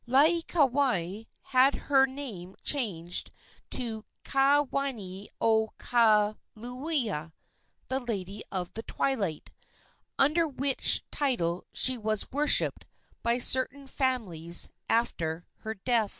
Laieikawai had her name changed to Ka wahine o ka liula "the lady of the twilight" under which title she was worshipped by certain families after her death.